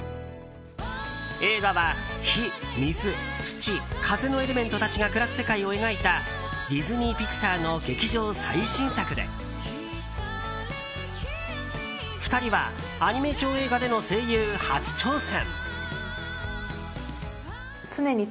映画は、火・水・土・風のエレメントたちが暮らす世界を描いたディズニー・ピクサーの劇場最新作で２人は、アニメーション映画での声優初挑戦。